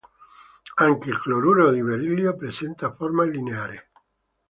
Anche il cloruro di berillio presenta forma lineare.